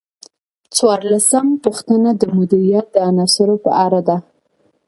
څوارلسمه پوښتنه د مدیریت د عناصرو په اړه ده.